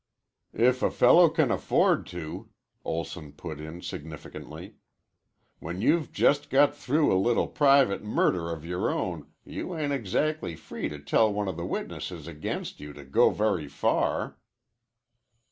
"If a fellow can afford to," Olson put in significantly. "When you've just got through a little private murder of yore own, you ain't exactly free to tell one of the witnesses against you to go very far."